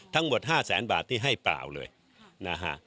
ทั้งหมด๕แสนบาทที่ให้เปล่าเลยนะฮะ